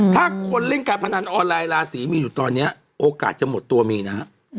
ถ้าคนเล่นการพนันออนไลน์ราศีมีอยู่ตอนนี้โอกาสจะหมดตัวมีนะฮะ